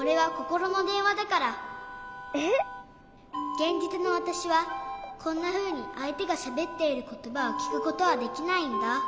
げんじつのわたしはこんなふうにあいてがしゃべっていることばをきくことはできないんだ。